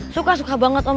suka suka banget om